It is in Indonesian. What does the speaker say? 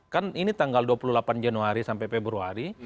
kan ini tanggal dua puluh delapan januari sampai februari